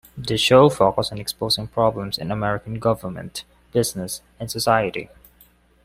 The show focused on exposing problems in American government, business, and society.